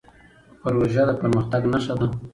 پروژه د پرمختګ نښه ده.